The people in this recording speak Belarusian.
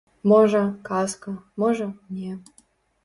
Можа, казка, можа, не.